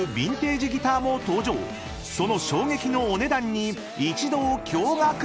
［その衝撃のお値段に一同驚愕！］